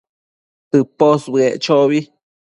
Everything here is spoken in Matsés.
tëposbëec chobi